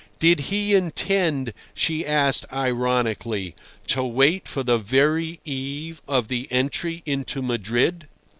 Did he intend, she asked ironically, to wait for the very eve of the entry into Madrid?